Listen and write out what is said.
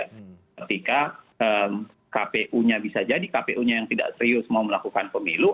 ketika kpu nya bisa jadi kpu nya yang tidak serius mau melakukan pemilu